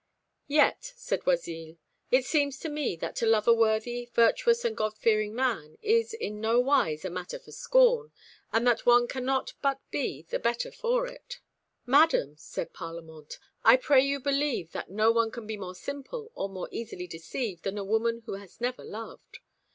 "Yet," said Oisille, "it seems to me that to love a worthy, virtuous and God fearing man is in nowise a matter for scorn, and that one cannot but be the better for it." "Madam," said Parlamente, "I pray you believe that no one can be more simple or more easily deceived than a woman who has never loved.